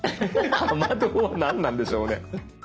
雨どう何なんでしょうね。